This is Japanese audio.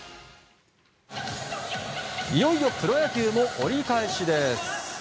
いよいよプロ野球も折り返しです。